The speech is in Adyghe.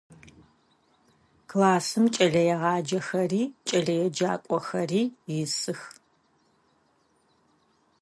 Классым кӏэлэегъаджэхэри кӏэлэеджакӏохэри исых.